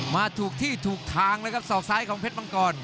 มาถูกที่ถูกทางเลยครับศอกซ้ายของเพชรมังกร